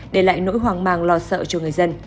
để lại nỗi hoang mang lo sợ cho người dân